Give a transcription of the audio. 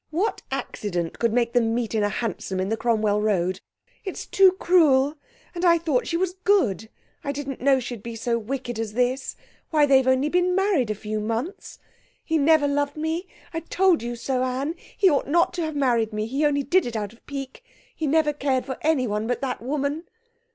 What accident could make them meet in a hansom in the Cromwell Road? It's too cruel! And I thought she was good. I didn't know she'd be so wicked as this. Why, they've only been married a few months. He never loved me; I told you so, Anne. He ought not to have married me. He only did it out of pique. He never cared for anyone but that woman.'